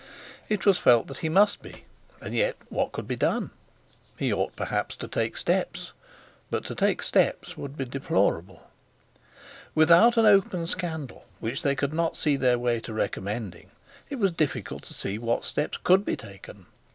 It was felt that he must be, and yet, what could be done? He ought perhaps to take steps; but to take steps would be deplorable. Without an open scandal which they could not see their way to recommending, it was difficult to see what steps could be taken.